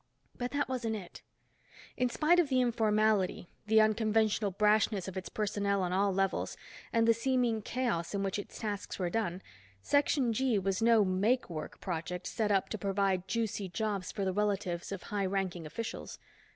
But that wasn't it. In spite of the informality, the unconventional brashness of its personnel on all levels, and the seeming chaos in which its tasks were done, Section G was no make work project set up to provide juicy jobs for the relatives of high ranking officials.